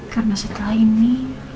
karena setelah ini